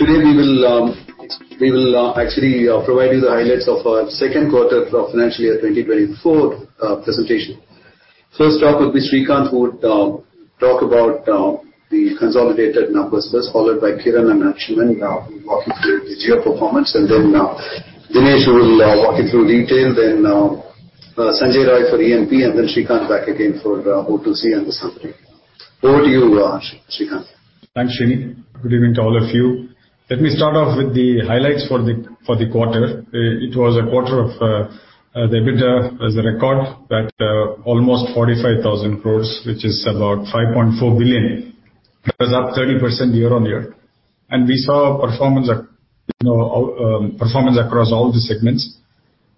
Today, we will actually provide you the highlights of our second quarter of financial year 2024, presentation. First talk will be Srikanth, who would talk about the consolidated numbers first, followed by Kiran and Anshuman walking through the Jio performance. And then, Dinesh will walk you through retail, then Sanjay Roy for E&P, and then Srikanth back again for O2C and the summary. Over to you, Srikanth. Thanks, Srini. Good evening to all of you. Let me start off with the highlights for the quarter. It was a quarter of the EBITDA as a record that almost 45,000 crore, which is about $5.4 billion. It was up 30% year-on-year, and we saw performance, you know, performance across all the segments.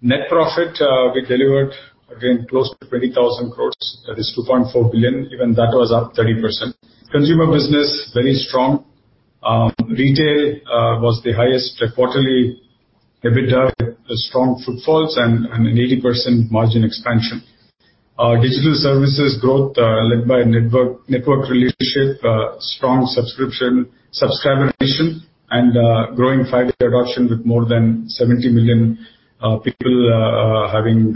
Net profit, we delivered again close to 20,000 crore, that is $2.4 billion, even that was up 30%. Consumer business, very strong. Retail was the highest quarterly EBITDA, strong footfalls and an 80% margin expansion. Our digital services growth, led by network, network relationship, strong subscription, subscriber addition, and growing 5G adoption with more than 70 million people having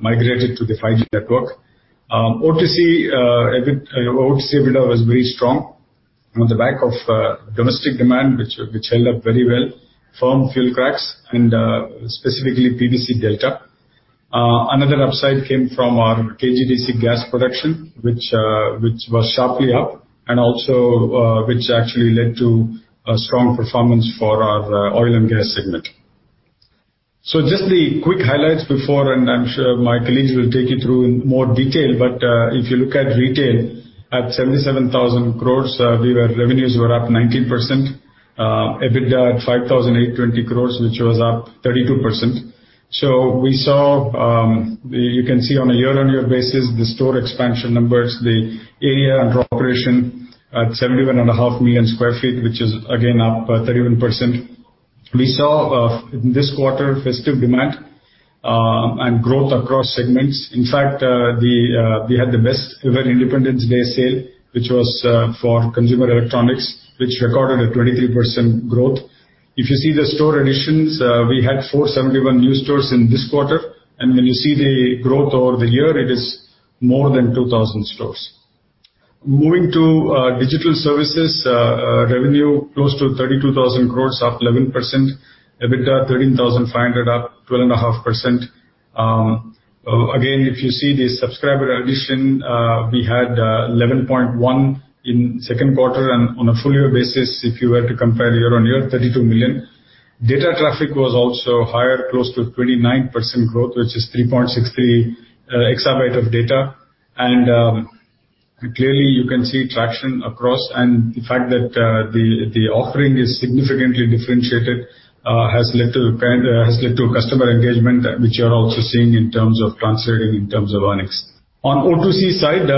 migrated to the 5G network. O2C EBITDA was very strong on the back of domestic demand, which held up very well, firm fuel cracks and specifically PVC delta. Another upside came from our KG-D6 gas production, which was sharply up, and also which actually led to a strong performance for our oil and gas segment. So just the quick highlights before, and I'm sure my colleagues will take you through in more detail, but if you look at retail, at 77,000 crore, Revenues were up 19%, EBITDA at 5,820 crore, which was up 32%. So we saw, you can see on a year-on-year basis, the store expansion numbers, the area under operation at 71.5 million sq ft, which is again up 31%. We saw, in this quarter, festive demand and growth across segments. In fact, we had the best ever Independence Day sale, which was for consumer electronics, which recorded a 23% growth. If you see the store additions, we had 471 new stores in this quarter, and when you see the growth over the year, it is more than 2,000 stores. Moving to digital services, revenue, close to 32,000 crore, up 11%. EBITDA, 13,500 crore, up 12.5%. Again, if you see the subscriber addition, we had 11.1 million in second quarter, and on a full year basis, if you were to compare year-on-year, 32 million. Data traffic was also higher, close to 29% growth, which is 3.63 exabyte of data. Clearly, you can see traction across, and the fact that the offering is significantly differentiated has led to customer engagement, which you are also seeing in terms of translating in terms of earnings. On O2C side, the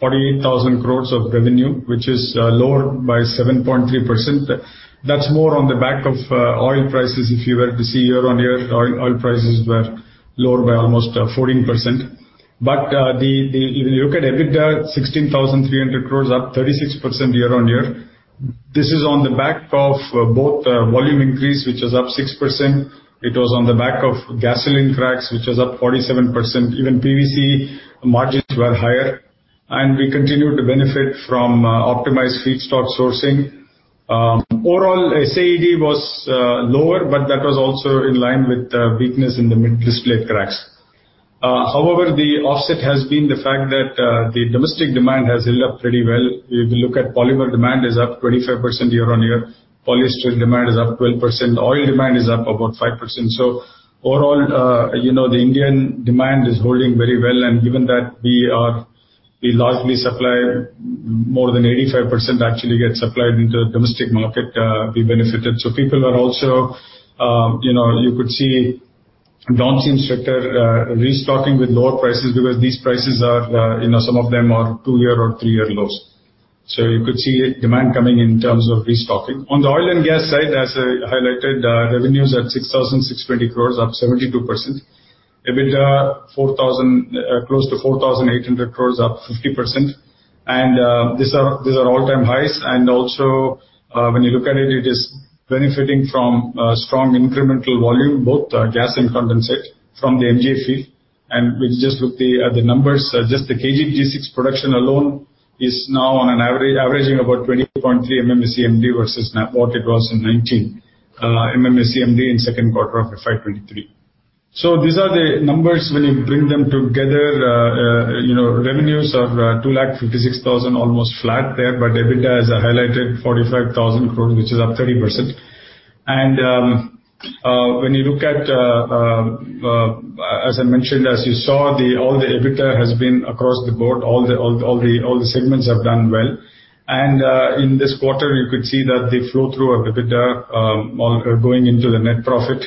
1,48,000 crores of revenue, which is lower by 7.3%. That's more on the back of oil prices. Even PVC margins were higher, and we continued to benefit from optimized feedstock sourcing. Overall, SAED was lower, but that was also in line with the weakness in the middle distillate cracks. However, the offset has been the fact that the domestic demand has held up pretty well. If you look at polymer demand is up 25% year-on-year. Polyester demand is up 12%. Oil demand is up about 5%. So overall, you know, the Indian demand is holding very well, and given that we are, we largely supply more than 85% actually gets supplied into the domestic market, we benefited. So people are also, you know, you could see downstream sector restocking with lower prices because these prices are, you know, some of them are two-year or three-year lows. So you could see demand coming in terms of restocking. On the oil and gas side, as I highlighted, revenues at 6,620 crores, up 72%. EBITDA, close to 4,800 crores, up 50%. And these are all-time highs. And also, when you look at it, it is benefiting from strong incremental volume, both gas and condensate from the MJ field. And which just with the numbers, just the KG-D6 production alone is now on an average, averaging about 20.3 MMSCMD versus what it was in 19 MMSCMD in second quarter of FY 2023. So these are the numbers. When you bring them together, you know, revenues are 2,56,000 crore, almost flat there, but EBITDA, as I highlighted, INR 45,000 crore, which is up 30%. As I mentioned, as you saw, all the EBITDA has been across the board, all the segments have done well. In this quarter, you could see that the flow through of EBITDA going into the net profit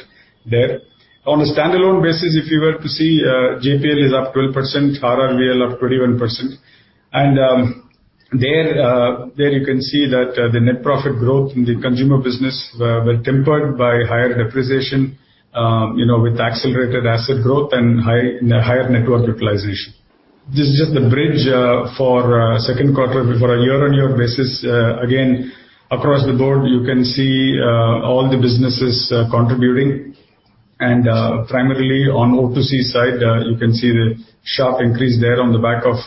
there. On a standalone basis, if you were to see, JPL is up 12%, RRVL up 21%. There you can see that the net profit growth in the consumer business were tempered by higher depreciation, you know, with accelerated asset growth and higher network utilization. This is just the bridge for second quarter on a year-on-year basis. Again, across the board, you can see all the businesses contributing. And, primarily on O2C side, you can see the sharp increase there on the back of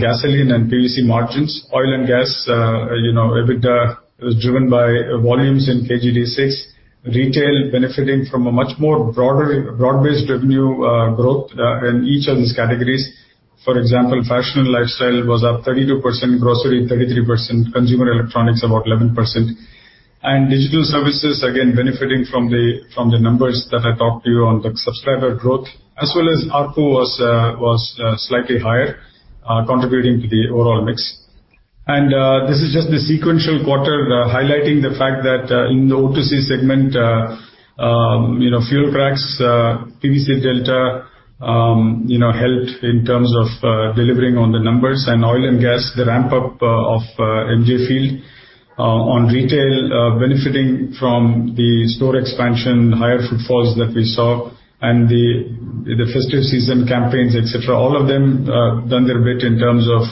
gasoline and PVC margins. Oil and gas, you know, EBITDA was driven by volumes in KG-D6. Retail benefiting from a much more broader, broad-based revenue growth in each of these categories. For example, fashion and lifestyle was up 32%, grocery 33%, consumer electronics about 11%. And digital services, again, benefiting from the from the numbers that I talked to you on the subscriber growth, as well as ARPU was slightly higher, contributing to the overall mix. This is just the sequential quarter, highlighting the fact that in the O2C segment, you know, fuel cracks, PVC delta, you know, helped in terms of delivering on the numbers. Oil and gas, the ramp up of MJ Field, on retail, benefiting from the store expansion, higher footfalls that we saw, and the festive season campaigns, et cetera. All of them done their bit in terms of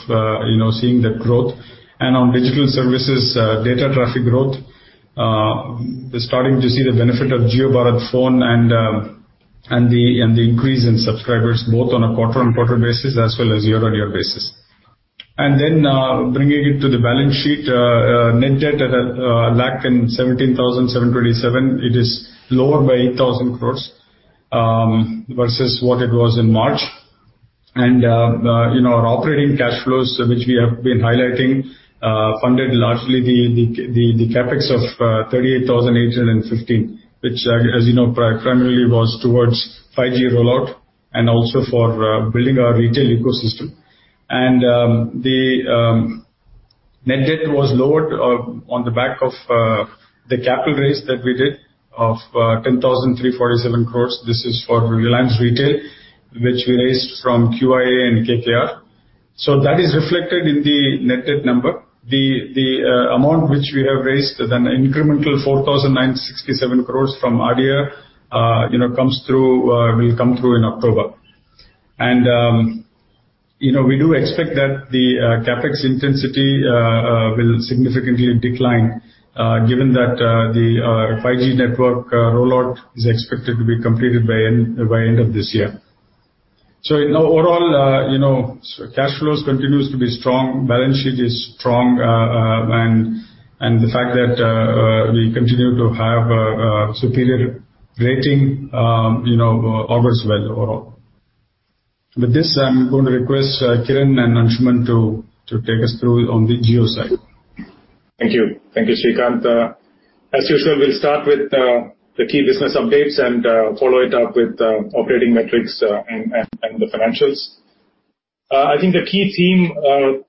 you know, seeing that growth. On digital services, data traffic growth, we're starting to see the benefit of Jio Bharat Phone and the increase in subscribers, both on a quarter-on-quarter basis as well as year-on-year basis. Bringing it to the balance sheet, net debt at 1,17,727 crore is lower by 8,000 crore versus what it was in March. You know, our operating cash flows, which we have been highlighting, funded largely the CapEx of 38,815 crore, which, as you know, primarily was towards 5G rollout and also for building our retail ecosystem. The net debt was lowered on the back of the capital raise that we did of 10,347 crore. This is for Reliance Retail, which we raised from QIA and KKR. That is reflected in the net debt number. The amount which we have raised, an incremental 4,967 crore from ADIA, you know, comes through, will come through in October. And, you know, we do expect that the CapEx intensity will significantly decline, given that our 5G network rollout is expected to be completed by end of this year. So in overall, you know, cash flows continues to be strong, balance sheet is strong, and the fact that we continue to have a superior rating, you know, augurs well overall. With this, I'm going to request Kiran and Anshuman to take us through on the Jio side. Thank you. Thank you, Srikanth. As usual, we'll start with the key business updates and follow it up with operating metrics, and the financials. I think the key theme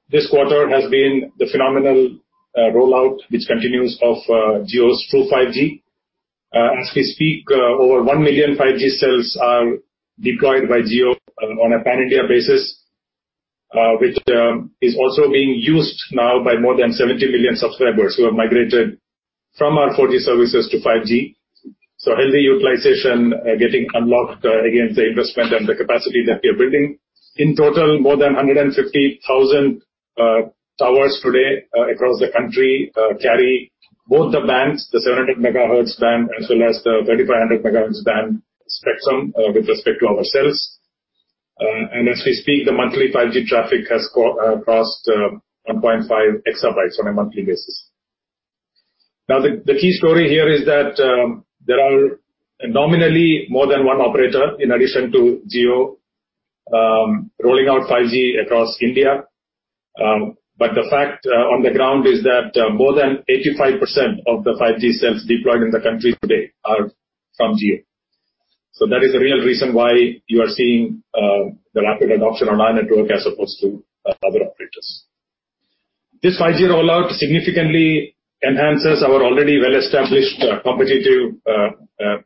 this quarter has been the phenomenal rollout, which continues of Jio True 5G. As we speak, over 1 million 5G cells are deployed by Jio on a pan-India basis, which is also being used now by more than 70 million subscribers who have migrated from our 4G services to 5G. So healthy utilization getting unlocked against the investment and the capacity that we are building. In total, more than 150,000 towers today across the country carry both the bands, the 700 MHz band, as well as the 3,500 MHz band spectrum with respect to our cells. And as we speak, the monthly 5G traffic has crossed 1.5 EB on a monthly basis. Now, the key story here is that there are nominally more than one operator in addition to Jio rolling out 5G across India. But the fact on the ground is that more than 85% of the 5G cells deployed in the country today are from Jio. So that is the real reason why you are seeing the rapid adoption on our network as opposed to other operators. This 5G rollout significantly enhances our already well-established competitive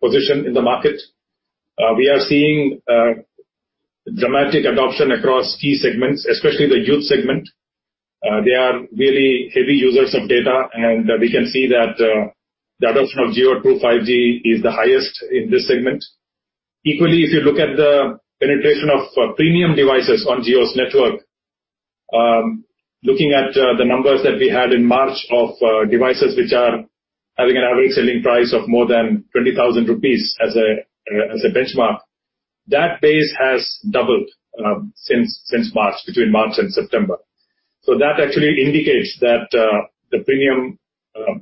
position in the market. We are seeing dramatic adoption across key segments, especially the youth segment. They are really heavy users of data, and we can see that the adoption of Jio True 5G is the highest in this segment. Equally, if you look at the penetration of premium devices on Jio's network, looking at the numbers that we had in March of devices which are having an average selling price of more than 20,000 rupees as a as a benchmark, that base has doubled since, since March, between March and September. So that actually indicates that the premium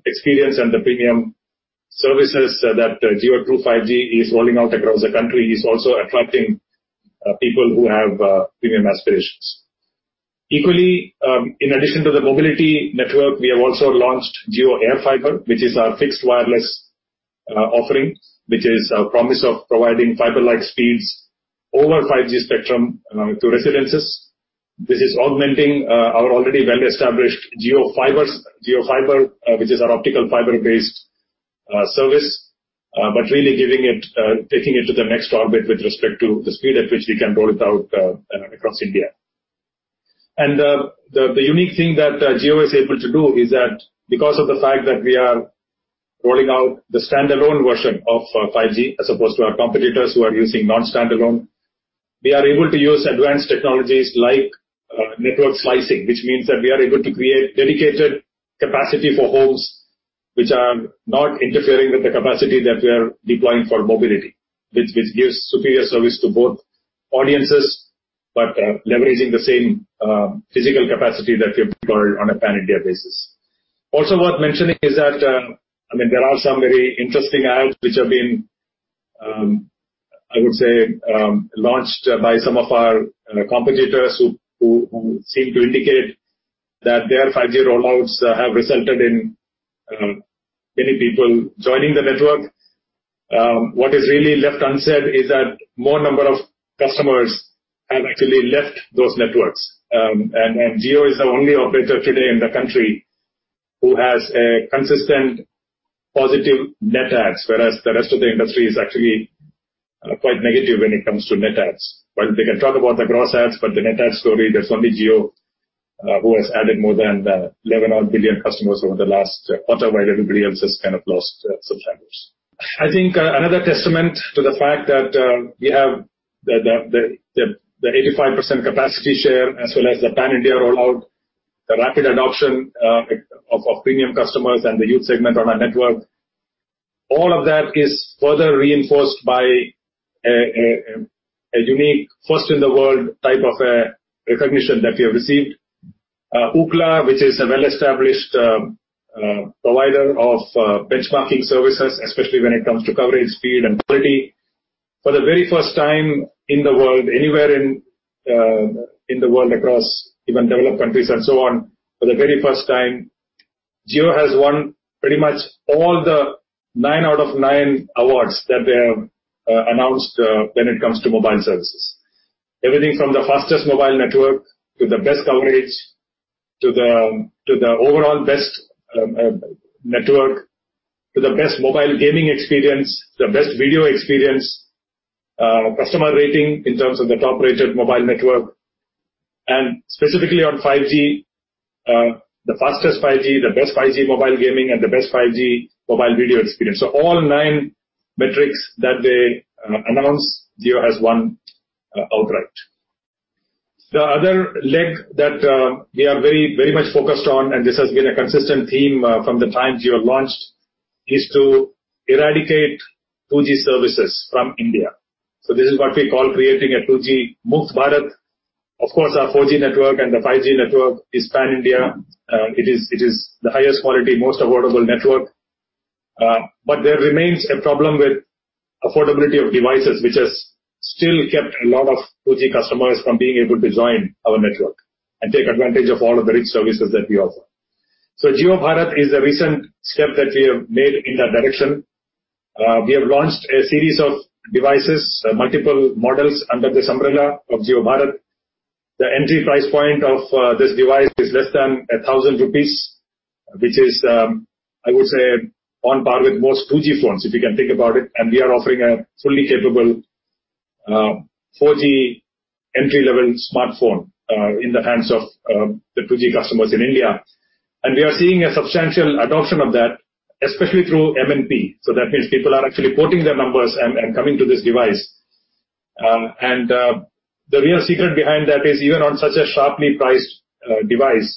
experience and the premium services that Jio True 5G is rolling out across the country is also attracting people who have premium aspirations. Equally, in addition to the mobility network, we have also launched Jio AirFiber, which is our fixed wireless offering, which is a promise of providing fiber-like speeds over 5G spectrum, to residences. This is augmenting our already well-established Jio Fiber, which is our optical fiber-based service, but really giving it, taking it to the next orbit with respect to the speed at which we can roll it out, across India. The unique thing that Jio is able to do is that because of the fact that we are rolling out the standalone version of 5G, as opposed to our competitors who are using non-standalone, we are able to use advanced technologies like network slicing, which means that we are able to create dedicated capacity for homes which are not interfering with the capacity that we are deploying for mobility, which gives superior service to both audiences, but leveraging the same physical capacity that we have deployed on a pan-India basis. Also worth mentioning is that, I mean, there are some very interesting ads which have been, I would say, launched by some of our competitors who seem to indicate that their 5G rollouts have resulted in many people joining the network. What is really left unsaid is that more number of customers have actually left those networks. And Jio is the only operator today in the country who has a consistent positive net adds, whereas the rest of the industry is actually quite negative when it comes to net adds. While they can talk about the gross adds, but the net adds story, there's only Jio who has added more than 11 billion customers over the last quarter, while everybody else has kind of lost subscribers. I think, another testament to the fact that we have the 85% capacity share, as well as the pan-India rollout, the rapid adoption of premium customers and the youth segment on our network, all of that is further reinforced by a unique, first-in-the-world type of recognition that we have received. Ookla, which is a well-established provider of benchmarking services, especially when it comes to coverage, speed, and quality. For the very first time in the world, anywhere in the world, across even developed countries and so on, for the very first time, Jio has won pretty much all the 9 out of 9 awards that they have announced when it comes to mobile services. Everything from the fastest mobile network, to the best coverage, to the overall best network, to the best mobile gaming experience, the best video experience, customer rating in terms of the top-rated mobile network, and specifically on 5G, the fastest 5G, the best 5G mobile gaming, and the best 5G mobile video experience. So all nine metrics that they announced, Jio has won outright. The other leg that we are very, very much focused on, and this has been a consistent theme from the time Jio launched, is to eradicate 2G services from India. So this is what we call creating a 2G Mukt Bharat. Of course, our 4G network and the 5G network is pan-India. It is the highest quality, most affordable network. But there remains a problem with affordability of devices, which has still kept a lot of 2G customers from being able to join our network and take advantage of all of the rich services that we offer. So Jio Bharat is a recent step that we have made in that direction. We have launched a series of devices, multiple models under this umbrella of Jio Bharat. The entry price point of this device is less than 1,000 rupees, which is, I would say, on par with most 2G phones, if you can think about it, and we are offering a fully capable 4G entry-level smartphone in the hands of the 2G customers in India. And we are seeing a substantial adoption of that, especially through MNP. So that means people are actually porting their numbers and coming to this device. The real secret behind that is even on such a sharply priced device,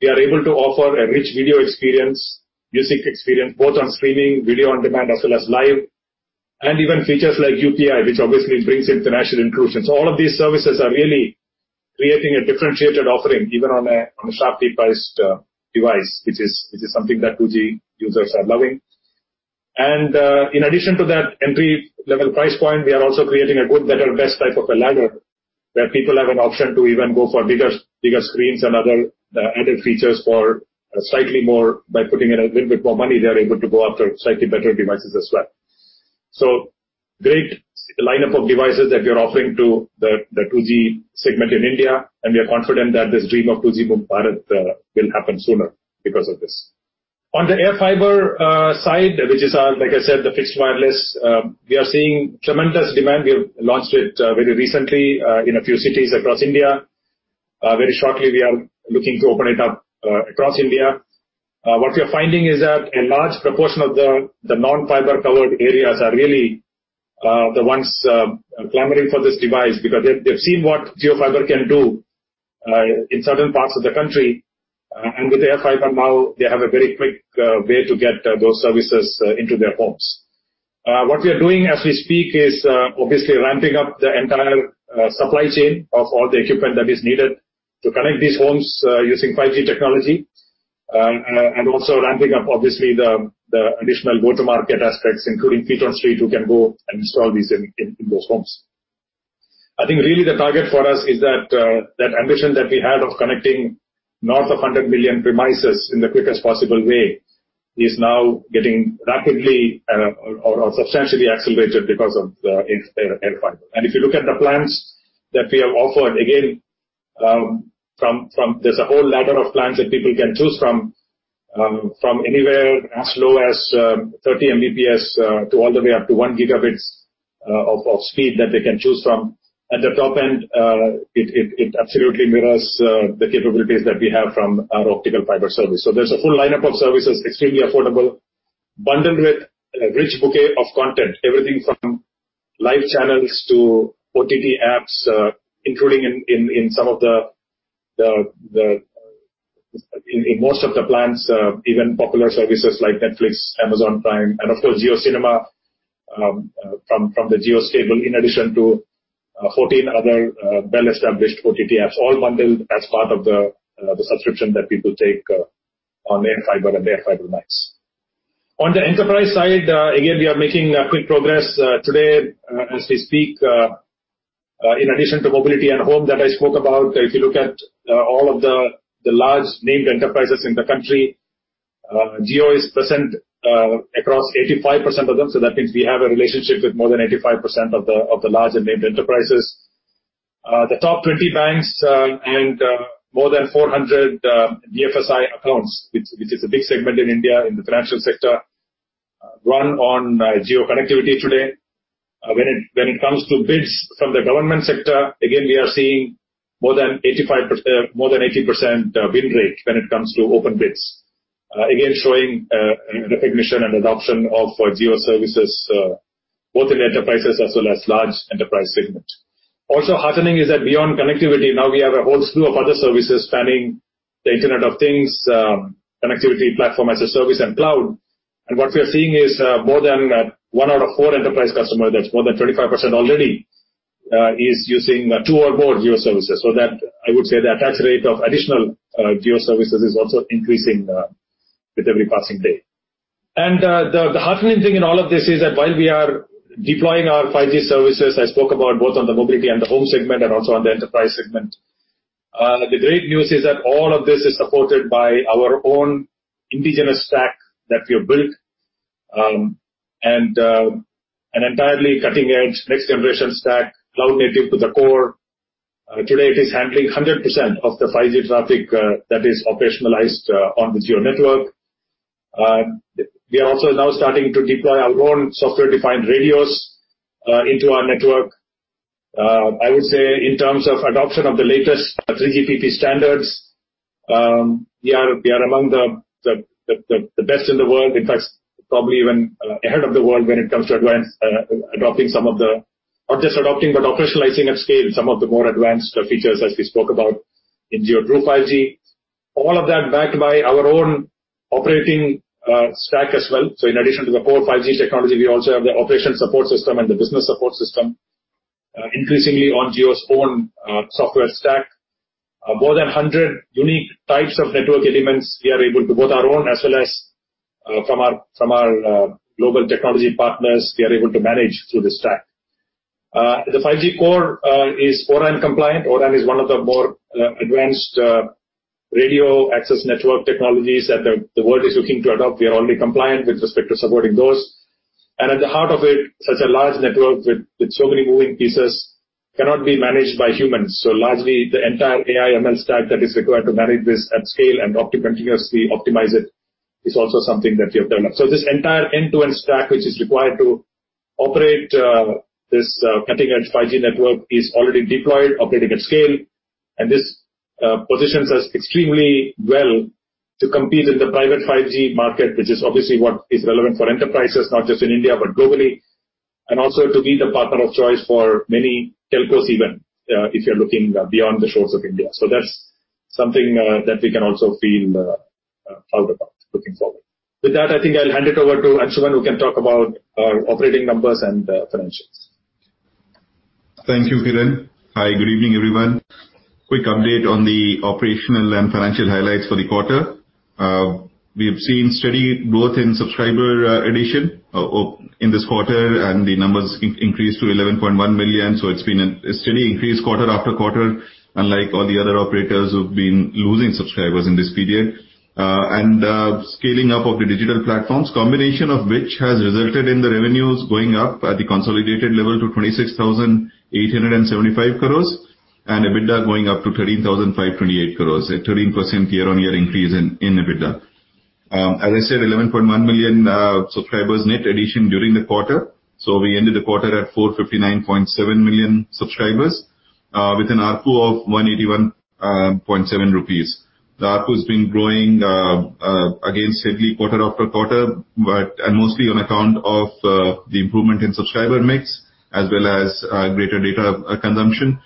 we are able to offer a rich video experience, music experience, both on streaming, video-on-demand, as well as live, and even features like UPI, which obviously brings in financial inclusion. So all of these services are really creating a differentiated offering, even on a sharply priced device, which is something that 2G users are loving. In addition to that entry-level price point, we are also creating a good, better, best type of a ladder, where people have an option to even go for bigger screens and other added features for a slightly more... By putting in a little bit more money, they are able to go after slightly better devices as well. So great lineup of devices that we are offering to the 2G segment in India, and we are confident that this dream of 2G Mukt Bharat will happen sooner because of this. On the AirFiber side, which is our, like I said, the fixed wireless, we are seeing tremendous demand. We have launched it very recently in a few cities across India. Very shortly, we are looking to open it up across India. What we are finding is that a large proportion of the non-fiber-covered areas are really the ones clamoring for this device, because they've seen what Jio Fiber can do in certain parts of the country, and with the AirFiber now, they have a very quick way to get those services into their homes. What we are doing as we speak is, obviously ramping up the entire supply chain of all the equipment that is needed to connect these homes using 5G technology. And also ramping up, obviously, the additional go-to-market aspects, including feet on street, who can go and install these in those homes. I think really the target for us is that ambition that we had of connecting north of 100 million premises in the quickest possible way, is now getting rapidly or substantially accelerated because of the AirFiber. And if you look at the plans that we have offered, again... From, from, there's a whole ladder of plans that people can choose from, from anywhere as low as 30 Mbps to all the way up to 1 gigabit of speed that they can choose from. At the top end, it absolutely mirrors the capabilities that we have from our optical fiber service. There's a full lineup of services, extremely affordable, bundled with a rich bouquet of content, everything from live channels to OTT apps, including in, in, in some of the, in most of the plans, even popular services like Netflix, Amazon Prime, and of course, JioCinema from the Jio stable, in addition to 14 other well-established OTT apps, all bundled as part of the subscription that people take on AirFiber and AirFiber Max. On the enterprise side, again, we are making quick progress today, as we speak. In addition to mobility and home that I spoke about, if you look at all of the large named enterprises in the country, Jio is present across 85% of them. So that means we have a relationship with more than 85% of the larger named enterprises. The top 20 banks and more than 400 DFSI accounts, which is a big segment in India, in the financial sector, run on Jio connectivity today. When it comes to bids from the government sector, again, we are seeing more than 85, more than 80% win rate when it comes to open bids. Again, showing recognition and adoption of Jio services, both in enterprises as well as large enterprise segment. Also heartening is that beyond connectivity, now we have a whole slew of other services spanning the Internet of Things, connectivity, platform as a service, and cloud. And what we are seeing is more than one out of four enterprise customer, that's more than 25% already, is using two or more Jio services. So that I would say the attach rate of additional Jio services is also increasing with every passing day. And the heartening thing in all of this is that while we are deploying our 5G services, I spoke about both on the mobility and the home segment and also on the enterprise segment. The great news is that all of this is supported by our own indigenous stack that we have built, and an entirely cutting-edge next-generation stack, cloud-native to the core. Today, it is handling 100% of the 5G traffic that is operationalized on the Jio network. We are also now starting to deploy our own software-defined radios into our network. I would say in terms of adoption of the latest 3GPP standards, we are among the best in the world, in fact, probably even ahead of the world when it comes to advanced adopting some of the... Not just adopting, but operationalizing at scale some of the more advanced features as we spoke about in Jio True 5G. All of that backed by our own operating stack as well. So in addition to the core 5G technology, we also have the operations support system and the business support system, increasingly on Jio's own software stack. More than 100 unique types of network elements, we are able to both our own as well as from our global technology partners, we are able to manage through the stack. The 5G core is O-RAN compliant. O-RAN is one of the more advanced radio access network technologies that the world is looking to adopt. We are already compliant with respect to supporting those. And at the heart of it, such a large network with so many moving pieces cannot be managed by humans. So largely, the entire AI ML stack that is required to manage this at scale and opt to continuously optimize it, is also something that we have done. So this entire end-to-end stack, which is required to operate, this, cutting-edge 5G network, is already deployed, operating at scale, and this, positions us extremely well to compete in the private 5G market, which is obviously what is relevant for enterprises, not just in India, but globally, and also to be the partner of choice for many telcos, even, if you're looking, beyond the shores of India. So that's something, that we can also feel, proud about looking forward. With that, I think I'll hand it over to Anshuman, who can talk about our operating numbers and, financials. Thank you, Kiran. Hi, good evening, everyone. Quick update on the operational and financial highlights for the quarter. We have seen steady growth in subscriber addition in this quarter, and the numbers increased to 11.1 million. So it's been a steady increase quarter after quarter, unlike all the other operators who've been losing subscribers in this period. Scaling up of the digital platforms, combination of which has resulted in the revenues going up at the consolidated level to 26,875 crores, and EBITDA going up to 13,528 crores, a 13% year-on-year increase in EBITDA. As I said, 11.1 million subscribers net addition during the quarter, so we ended the quarter at 459.7 million subscribers with an ARPU of 181.7 rupees. ARPU has been growing, again, steadily quarter after quarter, mostly on account of the improvement in subscriber mix, as well as greater data consumption.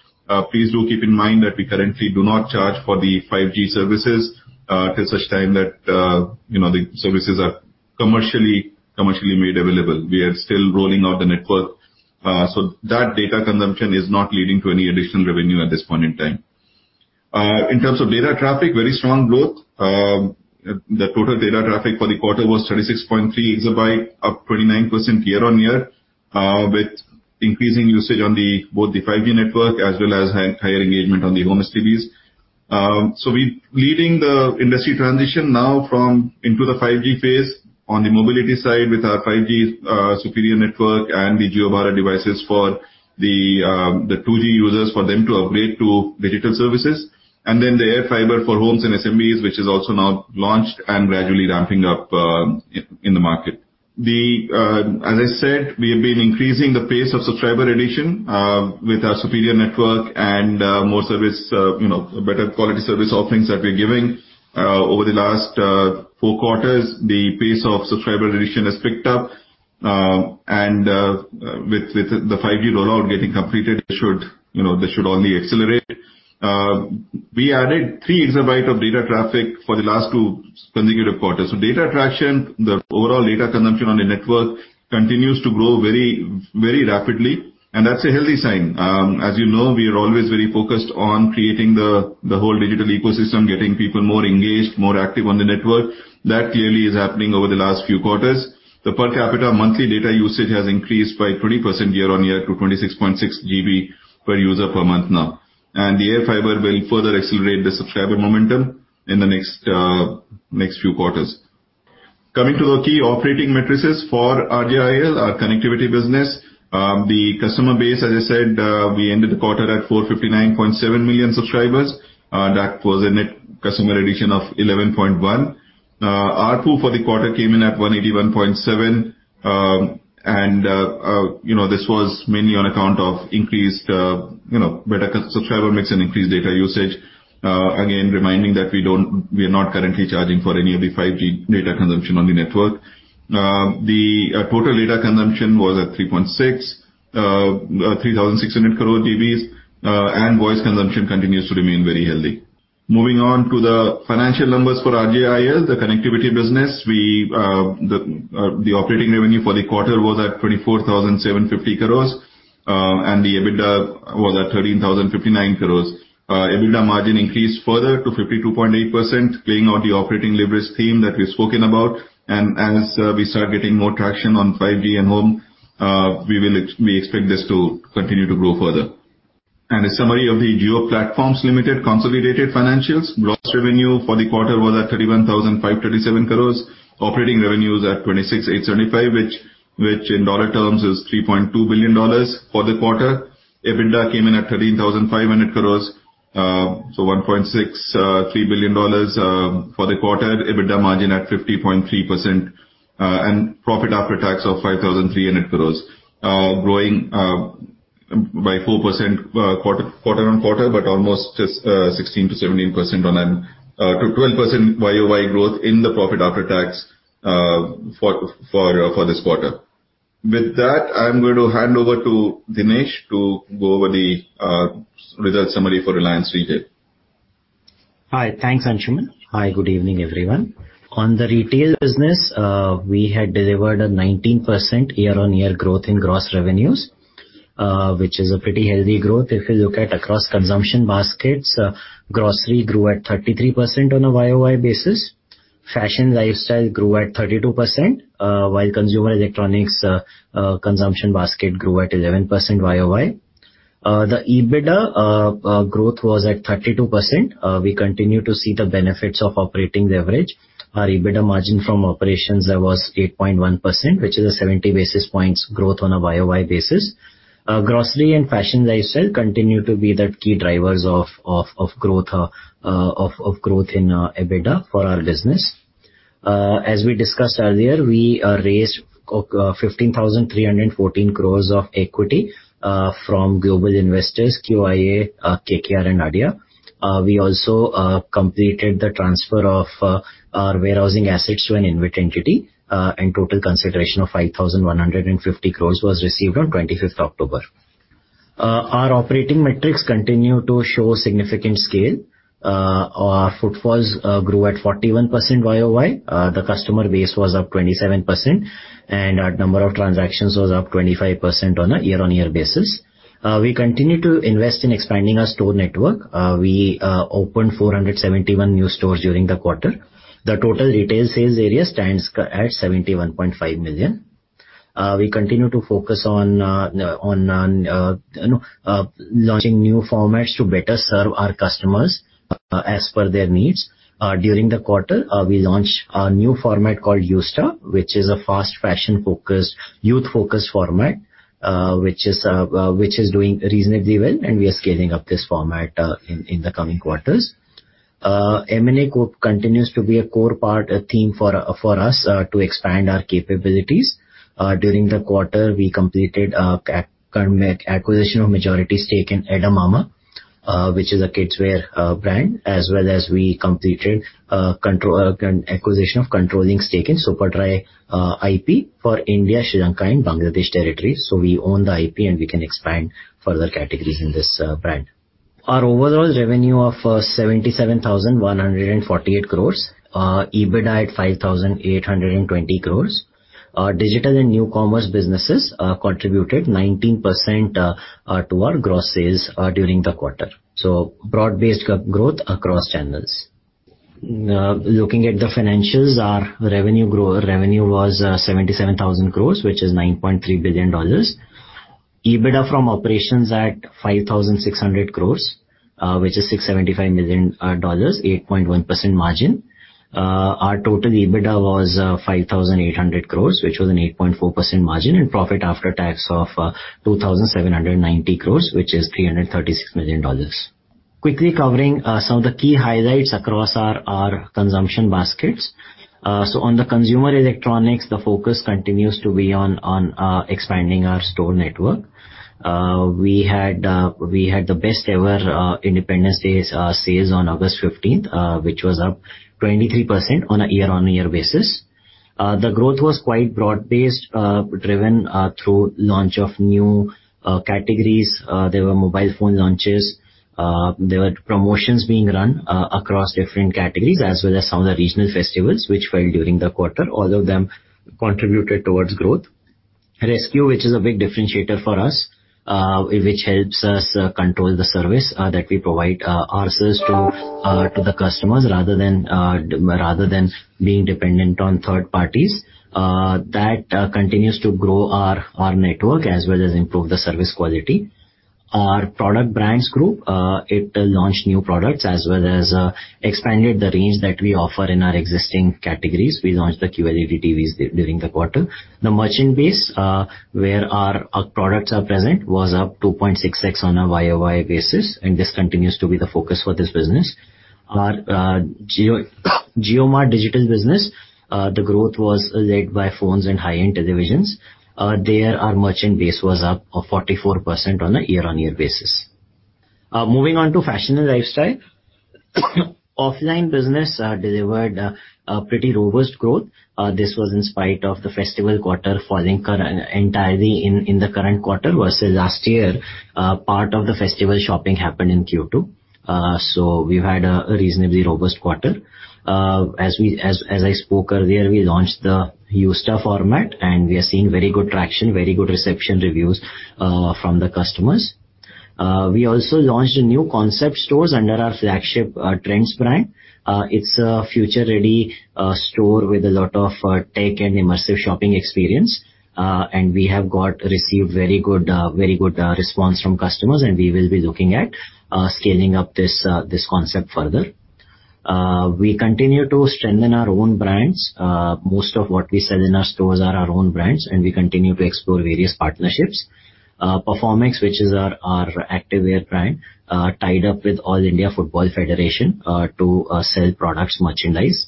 Please do keep in mind that we currently do not charge for the 5G services till such time that, you know, the services are commercially, commercially made available. We are still rolling out the network, so that data consumption is not leading to any additional revenue at this point in time. In terms of data traffic, very strong growth. The total data traffic for the quarter was 36.3 exabyte, up 29% year-over-year, with increasing usage on both the 5G network as well as higher engagement on the home STBs. We are leading the industry transition now into the 5G phase on the mobility side with our 5G superior network and the Jio Bharat devices for the 2G users, for them to upgrade to digital services, and then the Air Fiber for homes and SMBs, which is also now launched and gradually ramping up in the market. As I said, we have been increasing the pace of subscriber addition with our superior network and, you know, better quality service offerings that we're giving. Over the last four quarters, the pace of subscriber addition has picked up, and with the 5G rollout getting completed, this should only accelerate. We added 3 exabyte of data traffic for the last two consecutive quarters. Data attraction, the overall data consumption on the network continues to grow very, very rapidly, and that's a healthy sign. You know, we are always very focused on creating the, the whole digital ecosystem, getting people more engaged, more active on the network. That clearly is happening over the last few quarters. The per capita monthly data usage has increased by 20% year-on-year to 26.6 GB per user per month now. Air Fiber will further accelerate the subscriber momentum in the next few quarters. Coming to the key operating matrices for RJIL, our connectivity business. The customer base, as I said, we ended the quarter at 459.7 million subscribers. That was a net customer addition of 11.1. ARPU for the quarter came in at 181.7. You know, this was mainly on account of increased, you know, better subscriber mix and increased data usage. Again, reminding that we don't - we are not currently charging for any of the 5G data consumption on the network. The total data consumption was at 3,600 crore GB, and voice consumption continues to remain very healthy. Moving on to the financial numbers for RJIL, the connectivity business. The operating revenue for the quarter was at 24,750 crore, and the EBITDA was at 13,059 crore. EBITDA margin increased further to 52.8%, playing on the operating leverage theme that we've spoken about. As we start getting more traction on 5G and Home, we expect this to continue to grow further. A summary of the Jio Platforms Limited consolidated financials: Gross revenue for the quarter was at 31,537 crore. Operating revenues at 26,875 crore, which in dollar terms is $3.2 billion for the quarter. EBITDA came in at 13,500 crore, so $1.63 billion for the quarter. EBITDA margin at 50.3%, and profit after tax of 5,300 crore, growing by 4% quarter-over-quarter, but almost just 16%-17% on a, to 12% year-over-year growth in the profit after tax for this quarter. With that, I'm going to hand over to Dinesh to go over the result summary for Reliance Retail. Hi. Thanks, Anshuman. Hi, good evening, everyone. On the retail business, we had delivered a 19% year-on-year growth in gross revenues, which is a pretty healthy growth. If you look at across consumption baskets, grocery grew at 33% on a YOY basis. Fashion lifestyle grew at 32%, while consumer electronics consumption basket grew at 11% YOY. The EBITDA growth was at 32%. We continue to see the benefits of operating leverage. Our EBITDA margin from operations there was 8.1%, which is a 70 basis points growth on a YOY basis. Grocery and fashion lifestyle continue to be the key drivers of growth in EBITDA for our business. As we discussed earlier, we raised 15,314 crore of equity from global investors, QIA, KKR and ADIA. We also completed the transfer of our warehousing assets to an InvIT entity, and total consideration of 5,150 crore was received on twenty-fifth October. Our operating metrics continue to show significant scale. Our footfalls grew at 41% YOY. The customer base was up 27%, and our number of transactions was up 25% on a year-on-year basis. We continue to invest in expanding our store network. We opened 471 new stores during the quarter. The total retail sales area stands at 71.5 million. We continue to focus on launching new formats to better serve our customers, as per their needs. During the quarter, we launched a new format called Yousta, which is a fast fashion-focused, youth-focused format, which is doing reasonably well, and we are scaling up this format in the coming quarters. M&A group continues to be a core part, a theme for us to expand our capabilities. During the quarter, we completed acquisition of majority stake in Ed-a-Mamma, which is a kidswear brand, as well as we completed acquisition of controlling stake in Superdry IP for India, Sri Lanka, and Bangladesh territories. We own the IP, and we can expand further categories in this brand. Our overall revenue of 77,148 crore, EBITDA at 5,820 crore. Our digital and new commerce businesses contributed 19% to our gross sales during the quarter. So broad-based growth across channels.... Looking at the financials, our revenue was 77,000 crore, which is $9.3 billion. EBITDA from operations at 5,600 crore, which is $675 million, 8.1% margin. Our total EBITDA was 5,800 crore, which was an 8.4% margin, and profit after tax of 2,790 crore, which is $336 million. Quickly covering some of the key highlights across our consumption baskets. So on the consumer electronics, the focus continues to be on expanding our store network. We had the best ever Independence Day sales on August fifteenth, which was up 23% on a year-on-year basis. The growth was quite broad-based, driven through launch of new categories. There were mobile phone launches. There were promotions being run across different categories, as well as some of the regional festivals which fell during the quarter. All of them contributed towards growth. ResQ, which is a big differentiator for us, which helps us control the service that we provide ourselves to the customers, rather than being dependent on third parties. That continues to grow our network as well as improve the service quality. Our product brands group launched new products as well as expanded the range that we offer in our existing categories. We launched the QLED TVs during the quarter. The merchant base, where our products are present, was up 2.6x on a year-over-year basis, and this continues to be the focus for this business. Our JioMart digital business, the growth was led by phones and high-end televisions. There, our merchant base was up 44% on a year-over-year basis. Moving on to fashion and lifestyle. Offline business delivered a pretty robust growth. This was in spite of the festival quarter falling entirely in the current quarter versus last year, part of the festival shopping happened in Q2. So we've had a reasonably robust quarter. As I spoke earlier, we launched the Yousta format, and we are seeing very good traction, very good reception reviews from the customers. We also launched new concept stores under our flagship Trends brand. It's a future-ready store with a lot of tech and immersive shopping experience. And we have received very good response from customers, and we will be looking at scaling up this concept further. We continue to strengthen our own brands. Most of what we sell in our stores are our own brands, and we continue to explore various partnerships. Performax, which is our activewear brand, tied up with All India Football Federation to sell products, merchandise.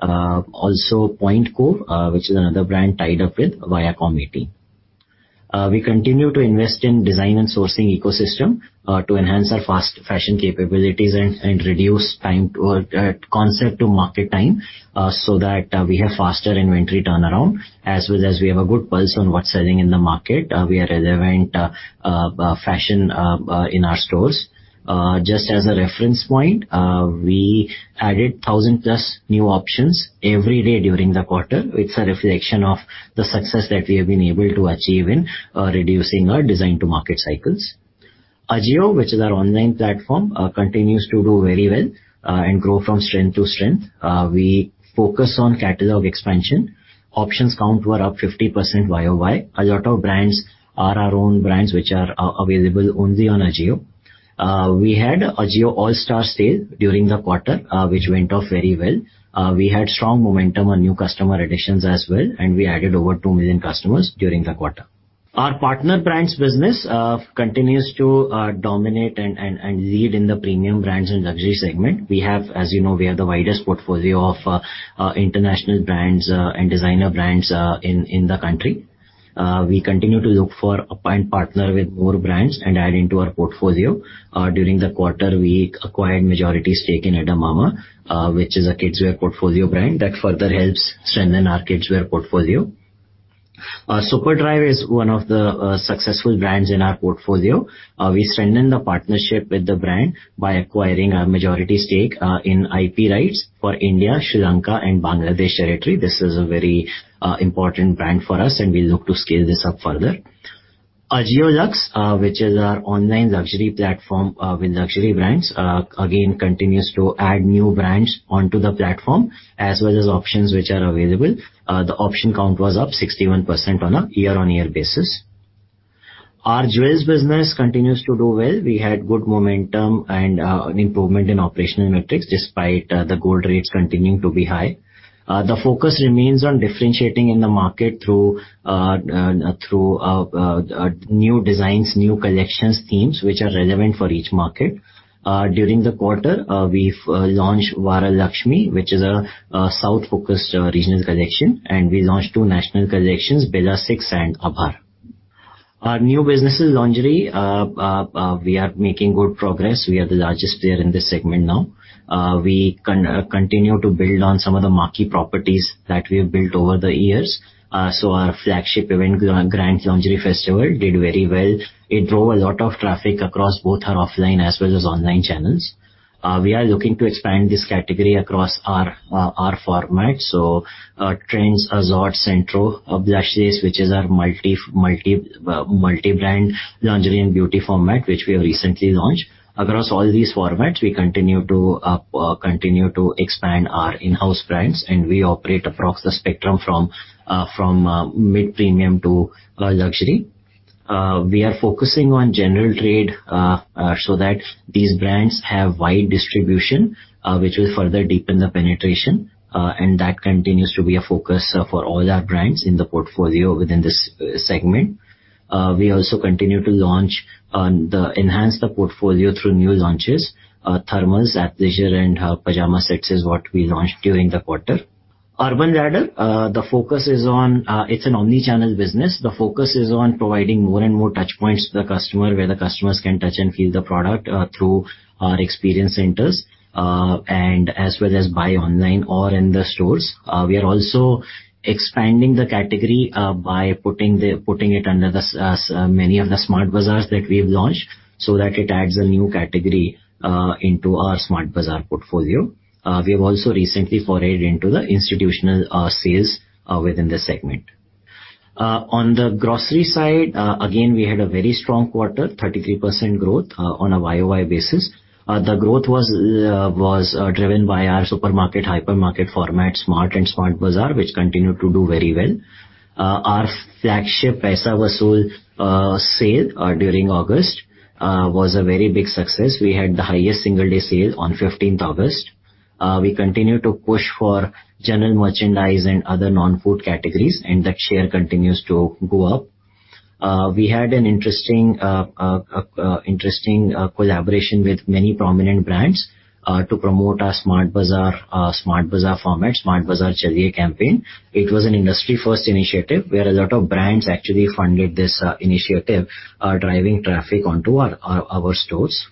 Also Point Cove, which is another brand tied up with Viacom18. We continue to invest in design and sourcing ecosystem to enhance our fast fashion capabilities and reduce time or concept to market time so that we have faster inventory turnaround, as well as we have a good pulse on what's selling in the market. We are relevant fashion in our stores. Just as a reference point, we added 1,000-plus new options every day during the quarter. It's a reflection of the success that we have been able to achieve in reducing our design to market cycles. Ajio, which is our online platform, continues to do very well and grow from strength to strength. We focus on catalog expansion. Options count were up 50% year-over-year. A lot of brands are our own brands, which are available only on Ajio. We had Ajio All Star Sale during the quarter, which went off very well. We had strong momentum on new customer additions as well, and we added over 2 million customers during the quarter. Our partner brands business continues to dominate and lead in the premium brands and luxury segment. As you know, we have the widest portfolio of international brands and designer brands in the country. We continue to look for and partner with more brands and add into our portfolio. During the quarter, we acquired majority stake in Ed-a-Mamma, which is a kidswear portfolio brand that further helps strengthen our kidswear portfolio. We strengthened the partnership with the brand by acquiring a majority stake in IP rights for India, Sri Lanka, and Bangladesh territory. This is a very important brand for us, and we look to scale this up further. Ajio Luxe, which is our online luxury platform with luxury brands, again, continues to add new brands onto the platform as well as options which are available. The option count was up 61% on a year-on-year basis. Our jewels business continues to do well. We had good momentum and an improvement in operational metrics despite the gold rates continuing to be high. The focus remains on differentiating in the market through new designs, new collections, themes which are relevant for each market. During the quarter, we've launched Varalakshmi, which is a south-focused regional collection, and we launched two national collections, Bella six and Abhar. Our new business is lingerie. We are making good progress. We are the largest player in this segment now. We continue to build on some of the marquee properties that we have built over the years. Our flagship event, Grand Lingerie Festival, did very well. It drove a lot of traffic across both our offline as well as online channels. We are looking to expand this category across our formats. Trends, Azorte, Centro, Abhilash, which is our multi-multi, multi-brand lingerie and beauty format, which we have recently launched. Across all these formats, we continue to expand our in-house brands, and we operate across the spectrum from mid-premium to luxury. We are focusing on general trade, so that these brands have wide distribution, which will further deepen the penetration, and that continues to be a focus for all our brands in the portfolio within this segment. We also continue to enhance the portfolio through new launches. Thermals, athleisure, and pajama sets is what we launched during the quarter. Urban Ladder, the focus is on. It's an omni-channel business. The focus is on providing more and more touch points to the customer, where the customers can touch and feel the product through our experience centers, and as well as buy online or in the stores. We are also expanding the category by putting it under the many of the Smart Bazaars that we have launched, so that it adds a new category into our Smart Bazaar portfolio. We have also recently forayed into the institutional sales within this segment. On the grocery side, again, we had a very strong quarter, 33% growth on a YOY basis. The growth was driven by our supermarket, hypermarket format, Smart and Smart Bazaar, which continued to do very well. Our flagship Paisa Vasool sale during August was a very big success. We had the highest single day sale on fifteenth August. We continued to push for general merchandise and other non-food categories, and the share continues to go up. We had an interesting collaboration with many prominent brands to promote our Smart Bazaar format, Smart Bazaar Chaliye campaign. It was an industry-first initiative, where a lot of brands actually funded this initiative, driving traffic onto our stores.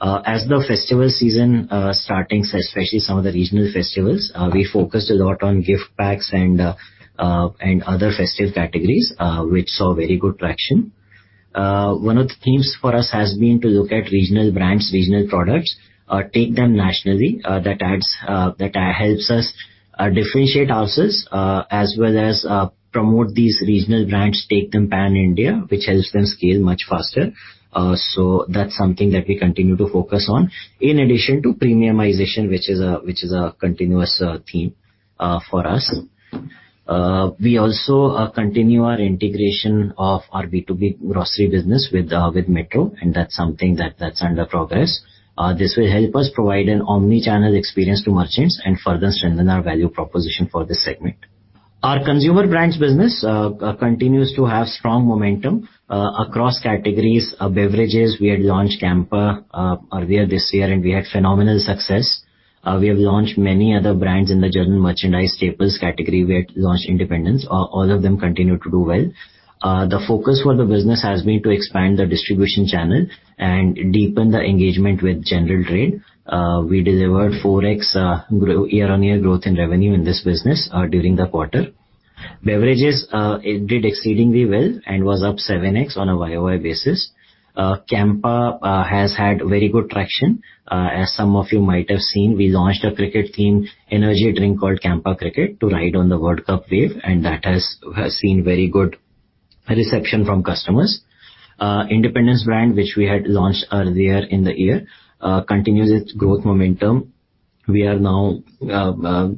As the festival season starts, especially some of the regional festivals, we focused a lot on gift packs and other festive categories, which saw very good traction. One of the themes for us has been to look at regional brands, regional products, take them nationally, that helps us differentiate ourselves, as well as promote these regional brands, take them pan-India, which helps them scale much faster. So that's something that we continue to focus on, in addition to premiumization, which is a continuous theme for us. We also continue our integration of our B2B grocery business with Metro, and that's something that's under progress. This will help us provide an omni-channel experience to merchants and further strengthen our value proposition for this segment. Our consumer brands business continues to have strong momentum across categories. Beverages, we had launched Campa earlier this year, and we had phenomenal success. We have launched many other brands in the general merchandise staples category. We had launched Independence. All of them continue to do well. The focus for the business has been to expand the distribution channel and deepen the engagement with general trade. We delivered 4x year-on-year growth in revenue in this business during the quarter. Beverages it did exceedingly well and was up 7x on a YOY basis. Campa has had very good traction. As some of you might have seen, we launched a cricket-themed energy drink called Campa Cricket to ride on the World Cup wave, and that has seen very good reception from customers. Independence brand, which we had launched earlier in the year, continues its growth momentum. We are now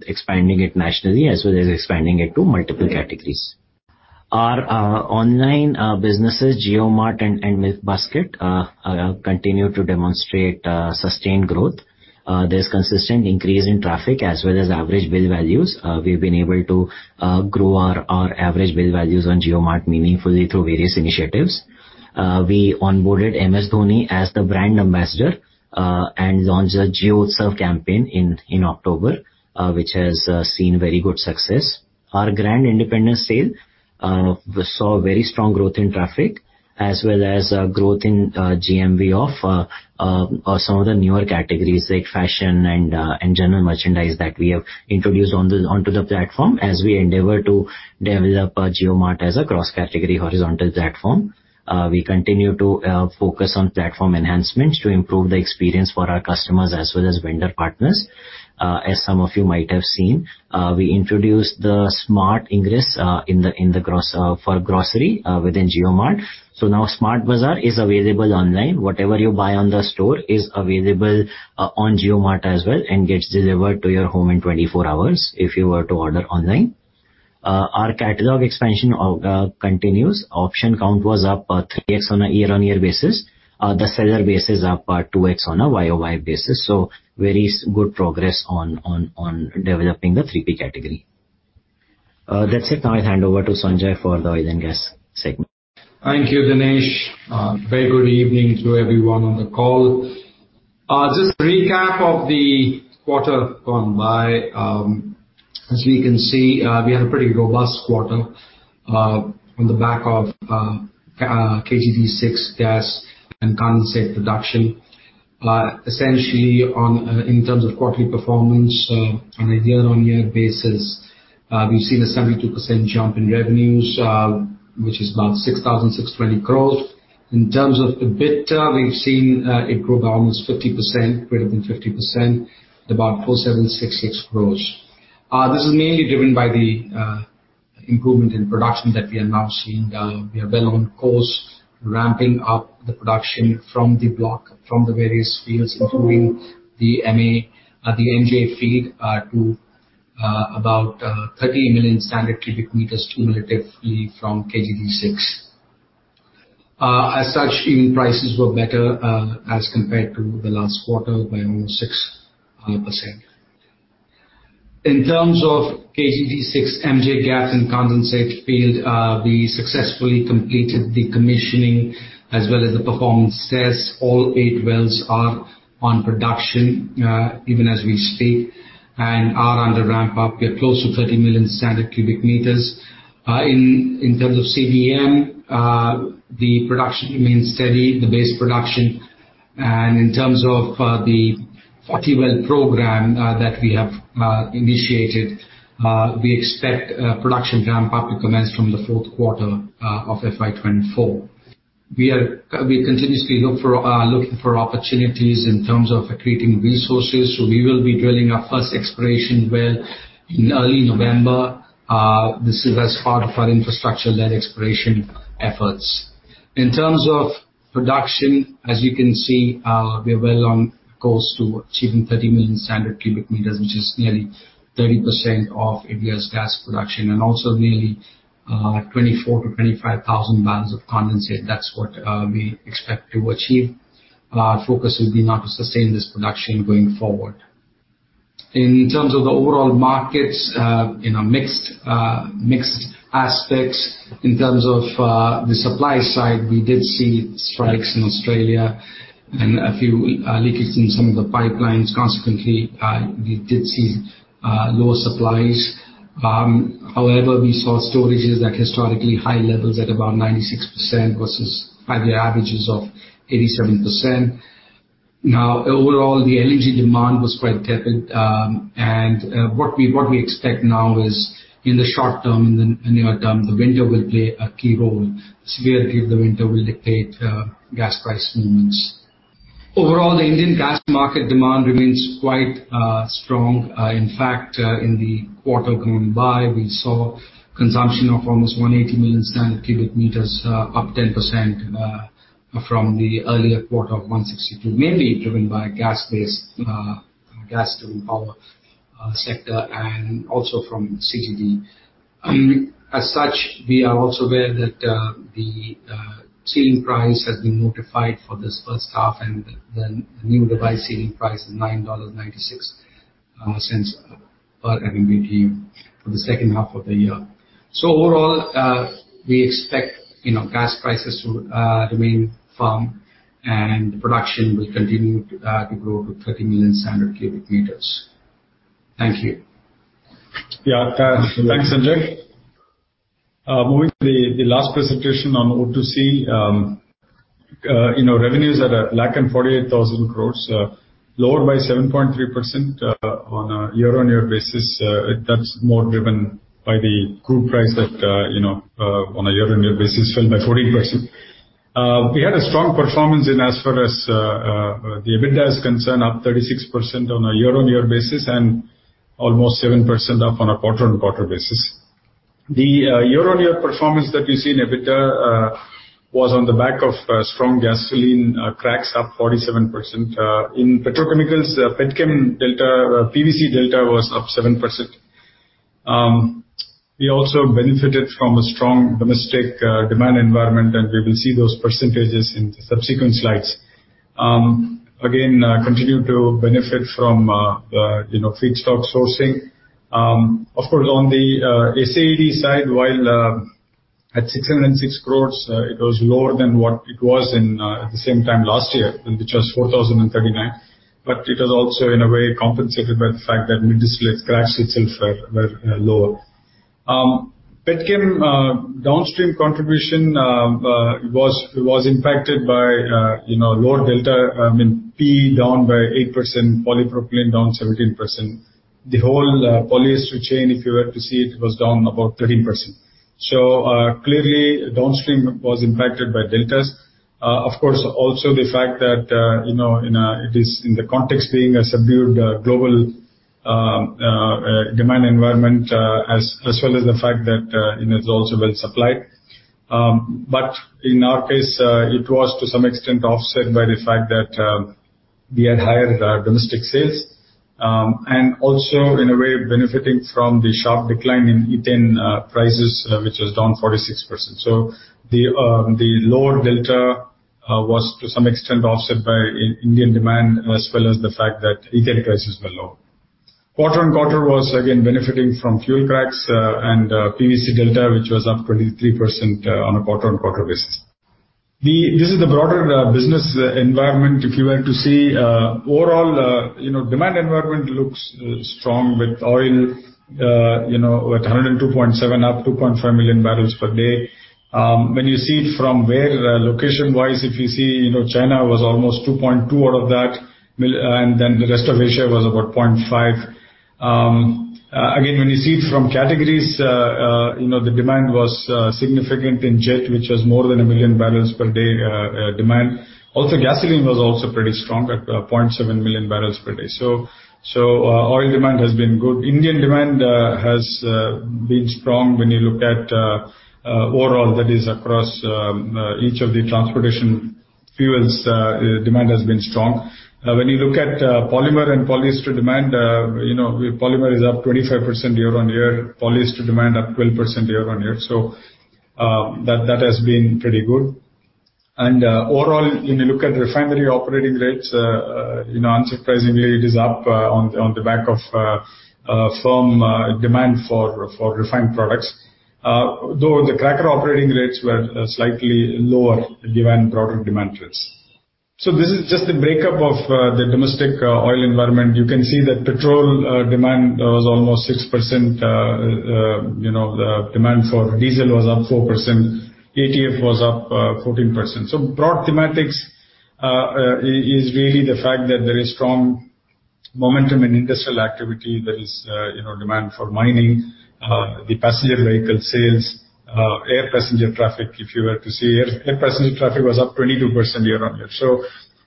expanding it nationally as well as expanding it to multiple categories. Our online businesses, JioMart and Milkbasket, continue to demonstrate sustained growth. There's consistent increase in traffic as well as average bill values. We've been able to grow our average bill values on JioMart meaningfully through various initiatives. We onboarded MS Dhoni as the brand ambassador and launched the Jio serve campaign in October, which has seen very good success. Our Grand Independence sale saw very strong growth in traffic as well as growth in GMV of some of the newer categories like fashion and general merchandise that we have introduced onto the platform as we endeavor to develop JioMart as a cross-category horizontal platform. We continue to focus on platform enhancements to improve the experience for our customers as well as vendor partners. As some of you might have seen, we introduced the Smart Ingress in grocery within JioMart. So now Smart Bazaar is available online. Whatever you buy on the store is available on JioMart as well and gets delivered to your home in 24 hours if you were to order online. Our catalog expansion continues. Option count was up 3x on a year-on-year basis. The seller base is up 2x on a YOY basis. So very good progress on developing the 3P category. That's it. Now I hand over to Sanjay for the oil and gas segment. Thank you, Dinesh. Very good evening to everyone on the call. Just recap of the quarter gone by. As we can see, we had a pretty robust quarter, on the back of KGD6 gas and condensate production. Essentially, in terms of quarterly performance, on a year-on-year basis, we've seen a 72% jump in revenues, which is about 6,620 crore growth. In terms of EBITDA, we've seen it grow by almost 50%, greater than 50%, about 4,766 crore. This is mainly driven by the improvement in production that we are now seeing. We are well on course, ramping up the production from the block, from the various fields, including the MA, the MJ field, to about 30 million standard cubic meters cumulatively from KGD6. As such, even prices were better, as compared to the last quarter by almost 6%. In terms of KG-D6, MJ gas and condensate field, we successfully completed the commissioning as well as the performance test. All eight wells are on production, even as we speak, and are under ramp up. We are close to 30 million standard cubic meters. In terms of CBM, the production remains steady, the base production. And in terms of the 40 well program that we have initiated, we expect production ramp up to commence from the fourth quarter of FY 2024. We continuously look for opportunities in terms of accreting resources, so we will be drilling our first exploration well in early November. This is as part of our infrastructure-led exploration efforts. In terms of production, as you can see, we are well on course to achieving 30 million standard cubic meters, which is nearly 30% of India's gas production, and also nearly 24,000 to 25,000 barrels of condensate. That's what we expect to achieve. Our focus will be now to sustain this production going forward. In terms of the overall markets, in a mixed, mixed aspects, in terms of the supply side, we did see strikes in Australia and a few leakages in some of the pipelines. Consequently, we did see lower supplies. However, we saw storages at historically high levels at about 96% versus five-year averages of 87%. Now, overall, the LNG demand was quite tepid, and what we expect now is, in the short term, in the near term, the winter will play a key role. The severity of the winter will dictate gas price movements. Overall, the Indian gas market demand remains quite strong. In fact, in the quarter going by, we saw consumption of almost 180 million standard cubic meters, up 10%, from the earlier quarter of 162, mainly driven by gas-based gas turbine power sector, and also from CTD. As such, we are also aware that the ceiling price has been notified for this first half, and the new revised ceiling price is $9.96 per MMBtu for the second half of the year. So overall, we expect, you know, gas prices to remain firm, and production will continue to grow to 30 million standard cubic meters. Thank you. Yeah, thanks, Sanjay. Moving to the last presentation on O2C. You know, revenues are at 148,000 crore, lower by 7.3% on a year-on-year basis. That's more driven by the crude price that, you know, on a year-on-year basis fell by 14%. We had a strong performance in as far as the EBITDA is concerned, up 36% on a year-on-year basis and almost 7% up on a quarter-on-quarter basis. The year-on-year performance that we see in EBITDA was on the back of strong gasoline cracks, up 47%. In petrochemicals, petchem delta, PVC delta was up 7%. We also benefited from a strong domestic demand environment, and we will see those percentages in the subsequent slides. Again, continue to benefit from, you know, feedstock sourcing. Of course, on the ACAD side, while at 606 crore, it was lower than what it was at the same time last year, which was 4,039 crore, it was also in a way compensated by the fact that mid-distillate cracks itself were lower. Petchem downstream contribution was impacted by, you know, lower delta in PE, down by 8%, polypropylene down 17%. The whole polyester chain, if you were to see it, was down about 13%. Clearly, downstream was impacted by deltas. Of course, also the fact that, you know, it is in the context being a subdued, global demand environment, as well as the fact that it is also well supplied. In our case, it was to some extent offset by the fact that we had higher domestic sales, and also in a way benefiting from the sharp decline in ethane prices, which was down 46%. The lower delta was to some extent offset by Indian demand, as well as the fact that ethane prices were low. Quarter on quarter was again benefiting from fuel cracks, and PVC delta, which was up 23% on a quarter-on-quarter basis. This is the broader business environment. If you were to see, overall, you know, demand environment looks strong with oil, you know, at $102.7, up 2.5 million barrels per day. When you see it from where, location-wise, if you see, you know, China was almost 2.2 out of that. And then the rest of Asia was about 0.5. Again, when you see it from categories, you know, the demand was significant in jet, which was more than 1 million barrels per day, demand. Also, gasoline was also pretty strong at 0.7 million barrels per day. So, so, oil demand has been good. Indian demand has been strong when you look at overall, that is, across each of the transportation fuels, demand has been strong. When you look at polymer and polyester demand, you know, polymer is up 25% year-on-year, polyester demand up 12% year-on-year. So, that has been pretty good. Overall, when you look at refinery operating rates, you know, unsurprisingly, it is up on the back of firm demand for refined products. Though the cracker operating rates were slightly lower given broader demand rates. So this is just the breakup of the domestic oil environment. You can see that petrol demand was almost 6%, you know, the demand for diesel was up 4%. ATF was up 14%. So broad thematics is really the fact that there is strong momentum in industrial activity. There is, you know, demand for mining, the passenger vehicle sales, air passenger traffic. If you were to see air passenger traffic was up 22% year-on-year.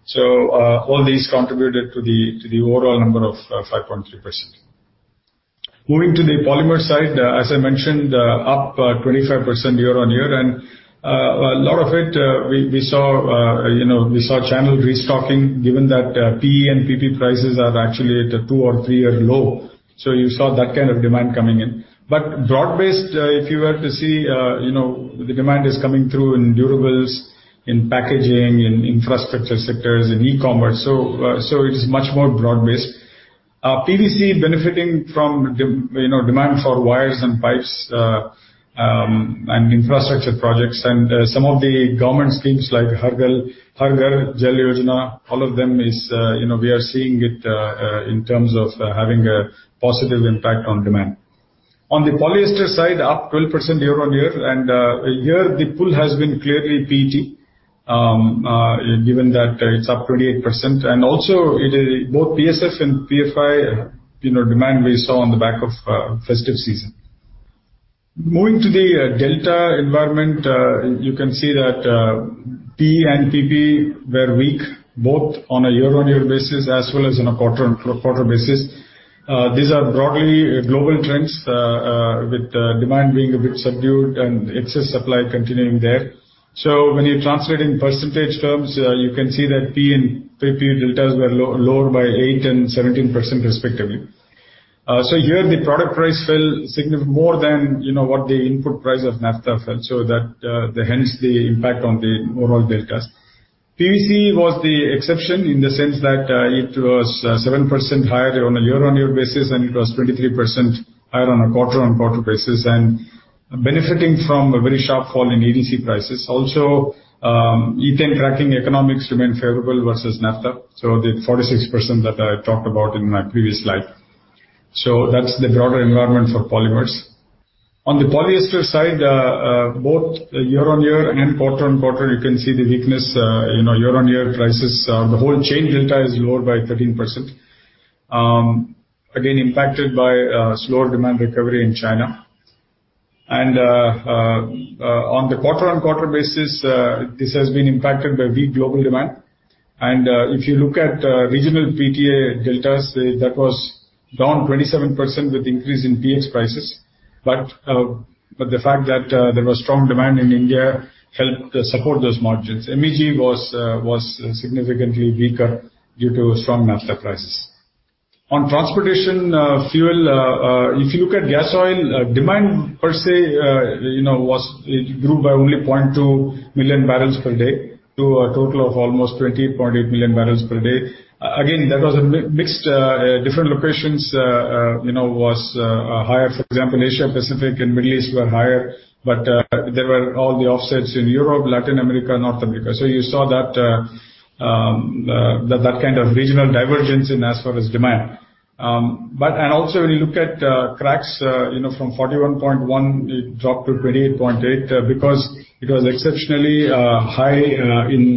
So all these contributed to the overall number of 5.3%. Moving to the polymer side, as I mentioned, up 25% year-on-year, and a lot of it we saw, you know, we saw channel restocking, given that PE and PP prices are actually at a two- or three-year low. So you saw that kind of demand coming in. Broad-based, if you were to see, you know, the demand is coming through in durables, in packaging, in infrastructure sectors, in e-commerce. It is much more broad-based. PVC benefiting from, you know, demand for wires and pipes, and infrastructure projects. Some of the government schemes like Har Ghar Jal Yojana, all of them is, you know, we are seeing it in terms of having a positive impact on demand. On the polyester side, up 12% year-on-year, and here the pull has been clearly PTA. Given that, it's up 28%, and also it is both PSF and PFY, you know, demand we saw on the back of festive season. Moving to the delta environment, you can see that PE and PP were weak, both on a year-on-year basis as well as on a quarter-on-quarter basis. These are broadly global trends with demand being a bit subdued and excess supply continuing there. So when you're translating percentage terms, you can see that PE and PP deltas were lower by 8% and 17%, respectively. So here the product price fell more than, you know, what the input price of naphtha fell, so that hence the impact on the overall deltas. PVC was the exception in the sense that it was 7% higher on a year-on-year basis, and it was 23% higher on a quarter-on-quarter basis, and benefiting from a very sharp fall in EDC prices. Also, ethane cracking economics remain favorable versus naphtha, so the 46% that I talked about in my previous slide. So that's the broader environment for polymers. On the polyester side, both year-on-year and quarter-on-quarter, you can see the weakness, you know, year-on-year prices. The whole chain delta is lower by 13%. Again, impacted by slower demand recovery in China. On the quarter-on-quarter basis, this has been impacted by weak global demand. If you look at regional PTA deltas, that was down 27% with increase in PH prices. But the fact that there was strong demand in India helped support those margins. MEG was significantly weaker due to strong naphtha prices. On transportation, fuel, if you look at gas oil demand per se, you know, was... It grew by only 0.2 million barrels per day to a total of almost 28.8 million barrels per day. Again, that was a mixed, different locations, you know, was, higher. For example, Asia, Pacific and Middle East were higher, but, there were all the offsets in Europe, Latin America, North America. You saw that, you know, that kind of regional divergence in as far as demand. Also, when you look at, cracks, you know, from 41.1, it dropped to 28.8, because it was exceptionally, high, in,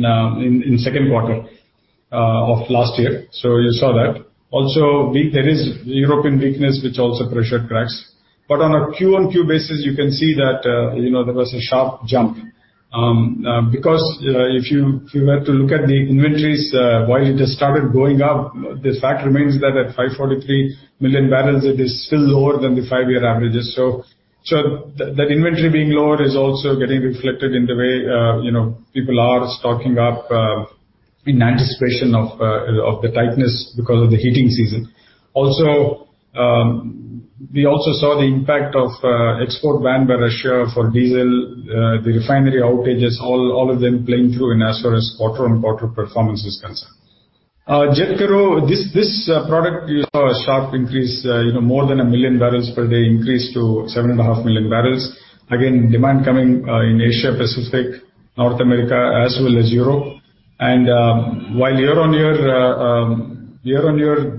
in second quarter, of last year. You saw that. Also, we... There is European weakness, which also pressured cracks. But on a Q-on-Q basis, you can see that, you know, there was a sharp jump. Because, if you, if you were to look at the inventories, while it just started going up, the fact remains that at 543 million barrels, it is still lower than the five-year averages. So, that inventory being lower is also getting reflected in the way, you know, people are stocking up, in anticipation of the tightness because of the heating season. Also, we also saw the impact of export ban by Russia for diesel, the refinery outages, all of them playing through in as far as quarter-on-quarter performance is concerned. Jet kero, this product, you saw a sharp increase, you know, more than 1 million barrels per day increase to 7.5 million barrels. Again, demand coming in Asia Pacific, North America, as well as Europe. While year-on-year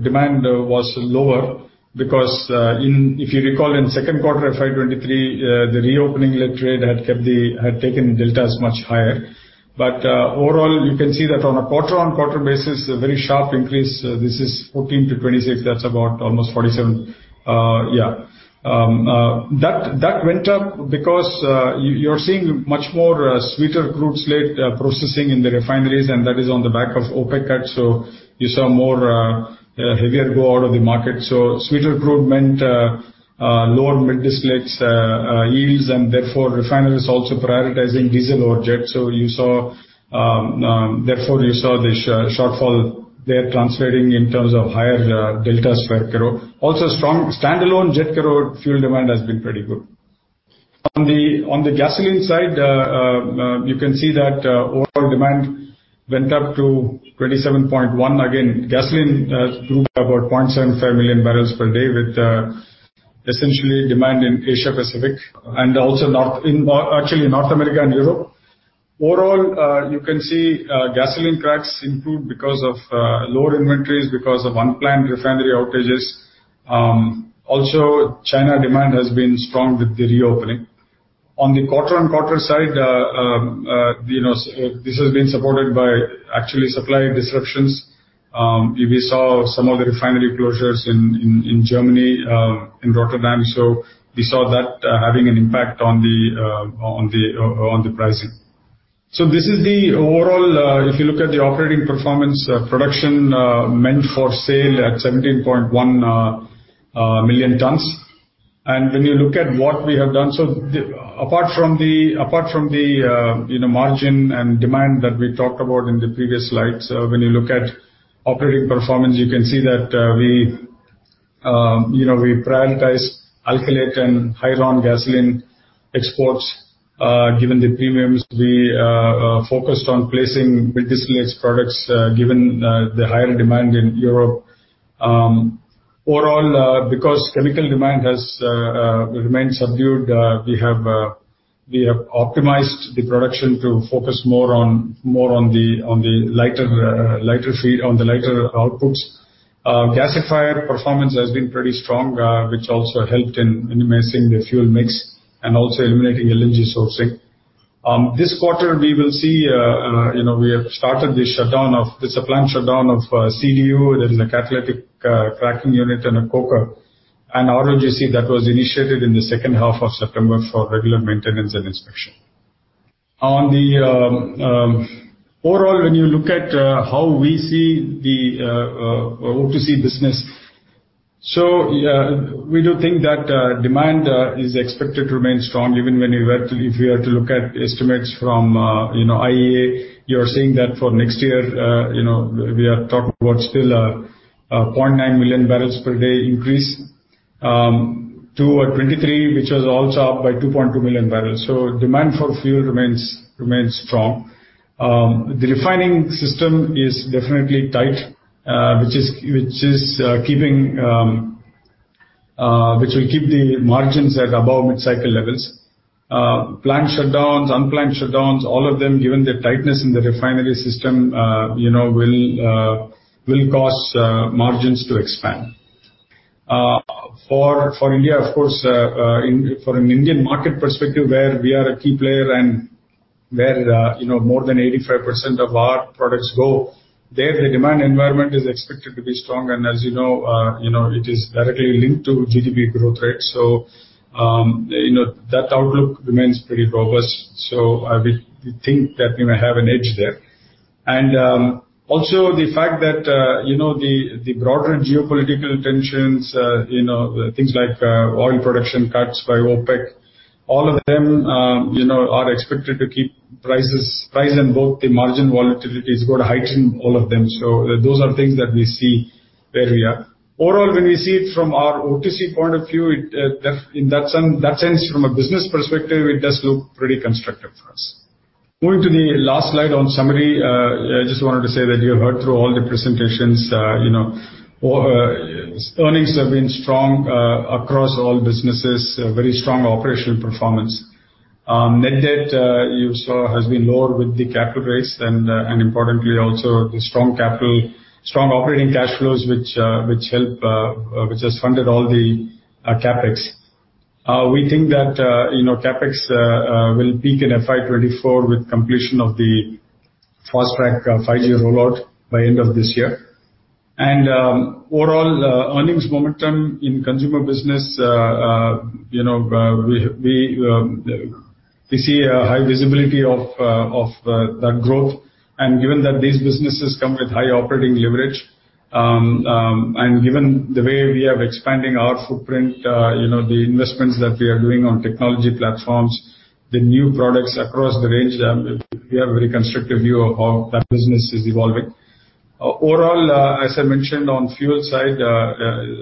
demand was lower because, if you recall, in second quarter FY 2023, the reopening led trade had taken deltas much higher. But overall, you can see that on a quarter-on-quarter basis, a very sharp increase. This is 14-26. That's about almost 47. Yeah. That went up because you're seeing much more sweeter crude slate processing in the refineries, and that is on the back of OPEC cut. So you saw more heavier go out of the market. So sweeter crude meant lower middle distillates yields, and therefore, refineries also prioritizing diesel or jet. So you saw therefore you saw the shortfall there translating in terms of higher deltas for kero. Also, strong standalone jet kero fuel demand has been pretty good. On the gasoline side, you can see that overall demand went up to 27.1. Again, gasoline grew by about 0.75 million barrels per day, with essentially demand in Asia Pacific and also North... In, actually, North America and Europe. Overall, you can see gasoline cracks improved because of lower inventories, because of unplanned refinery outages. Also, China demand has been strong with the reopening. On the quarter-on-quarter side, you know, this has been supported by actually supply disruptions. We saw some of the refinery closures in Germany in Rotterdam, so we saw that having an impact on the pricing. So this is the overall, if you look at the operating performance, production meant for sale at 17.1 million tons. And when you look at what we have done... So the, apart from the, you know, margin and demand that we talked about in the previous slides, when you look at operating performance, you can see that, we, you know, we prioritized alkylate and high RON gasoline exports. Given the premiums, we focused on placing middle distillates products, given the higher demand in Europe. Overall, because chemical demand has remained subdued, we have optimized the production to focus more on the lighter feed, on the lighter outputs. Gasifier performance has been pretty strong, which also helped in minimizing the fuel mix and also eliminating LNG sourcing. This quarter, we will see, you know, we have started the shutdown of... It's a planned shutdown of CDU, that is a catalytic cracking unit and a coker, and ROGC that was initiated in the second half of September for regular maintenance and inspection. On the overall, when you look at how we see the O2C business, so we do think that demand is expected to remain strong, even when you were to-- if you are to look at estimates from, you know, IEA, you're seeing that for next year, you know, we are talking about still a 0.9 million barrels per day increase to our 2023, which was also up by 2.2 million barrels. So demand for fuel remains strong. The refining system is definitely tight, which will keep the margins at above mid-cycle levels. Planned shutdowns, unplanned shutdowns, all of them, given the tightness in the refinery system, you know, will cause margins to expand. For India, of course, for an Indian market perspective, where we are a key player and where, you know, more than 85% of our products go, there, the demand environment is expected to be strong. And as you know, you know, it is directly linked to GDP growth rate. So, you know, that outlook remains pretty robust. So, we think that we may have an edge there. And, also the fact that, you know, the broader geopolitical tensions, you know, things like, oil production cuts by OPEC, all of them, you know, are expected to keep prices, price and both the margin volatility is going to heighten all of them. So those are things that we see where we are. Overall, when we see it from our O2C point of view, it in that sense, from a business perspective, it does look pretty constructive for us. Moving to the last slide on summary, I just wanted to say that you have heard through all the presentations, you know, over earnings have been strong across all businesses, a very strong operational performance. Net debt, you saw, has been lower with the capital raise and, and importantly, also the strong capital, strong operating cash flows, which which has funded all the CapEx. We think that, you know, CapEx will peak in FY 2024, with completion of the fast-track 5G rollout by end of this year. Overall, earnings momentum in consumer business, you know, we see a high visibility of that growth. And given that these businesses come with high operating leverage, and given the way we are expanding our footprint, you know, the investments that we are doing on technology platforms, the new products across the range, we have a very constructive view of how that business is evolving. Overall, as I mentioned on fuel side,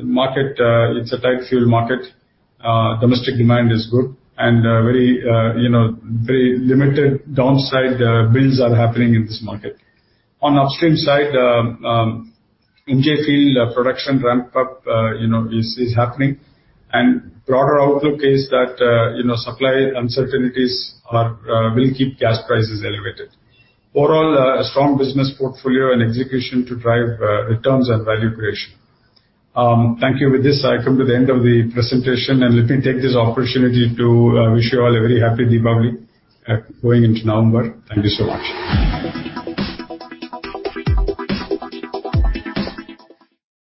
market, it's a tight fuel market. Domestic demand is good and, very, you know, very limited downside, builds are happening in this market. On upstream side, MJ field production ramp up, you know, is happening, and broader outlook is that, you know, supply uncertainties are will keep gas prices elevated. Overall, a strong business portfolio and execution to drive returns and value creation. Thank you. With this, I come to the end of the presentation, and let me take this opportunity to wish you all a very happy Diwali, going into November. Thank you so much.